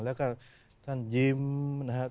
แล้วก็ท่านยิ้มนะครับ